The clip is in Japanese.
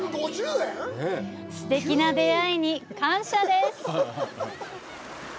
すてきな出会いに感謝です。